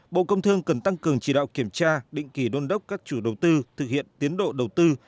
bộ công thương cần tăng cường chỉ đạo kiểm tra định kỳ đôn đốc các chủ đầu tư thực hiện tiến độ đầu tư